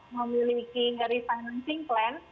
memiliki re financing plan